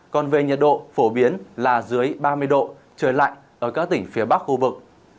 còn về nhiệt độ phổ biến là dưới ba mươi độ trời lạnh ở các tỉnh phía bắc khu vực